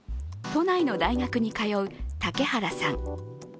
都内の大学に通う嵩原さん。